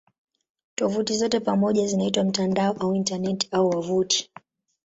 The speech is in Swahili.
Tovuti zote pamoja zinaitwa "mtandao" au "Intaneti" au "wavuti".